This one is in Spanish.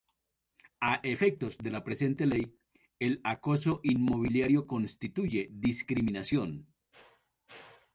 A efectos de la presente ley, el acoso inmobiliario constituye discriminación.